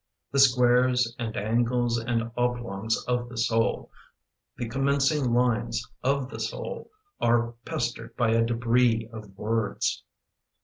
The squares, and angles, and oblongs of the soul, The commencing lines of the soul Are pestered by a debris of words.